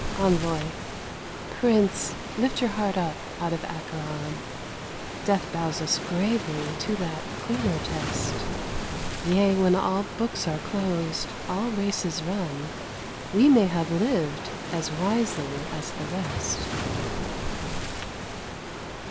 ENVOI Prince, lift your heart up out of Acheron, Death bows us gravely to that cleaner test. Yea! when all books are closed, all races run, We may have lived as wisely as the rest.